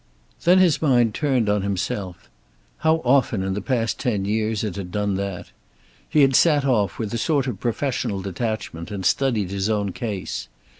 Then his mind turned on himself. How often in the past ten years it had done that! He had sat off, with a sort of professional detachment, and studied his own case.